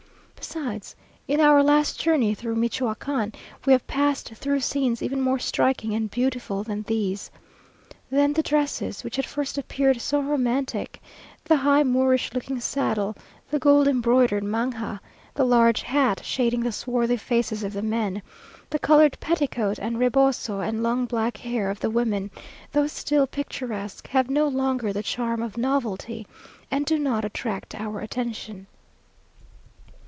Besides, in our last journey through Michoacán, we have passed among scenes even more striking and beautiful than these. Then the dresses, which at first appeared so romantic; the high, Moorish looking saddle, the gold embroidered manga, the large hat, shading the swarthy faces of the men, the coloured petticoat and reboso, and long black hair of the women, though still picturesque, have no longer the charm of novelty, and do not attract our attention.